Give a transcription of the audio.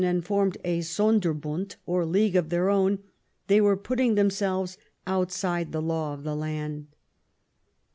and formed a Sonderbund or league of their own, they were putting themselves outside the law of the land.